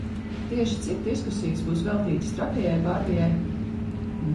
Tieši cik diskusijas būs veltītas trakajai Bārbijai?